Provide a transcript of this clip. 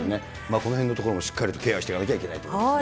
このへんのところもしっかりとケアしていかなきゃいけないですね。